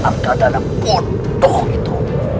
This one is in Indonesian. angka dana putuh itu